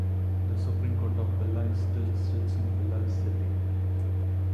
The Supreme Court of Belize still sits in Belize City.